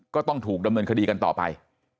ก็ต้องถูกดำเนินคดีกันต่อไป